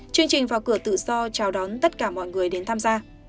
chương trình vào cửa tự do chào đón tất cả mọi người đến tham gia